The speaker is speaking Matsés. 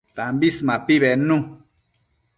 Tambis mapi bednu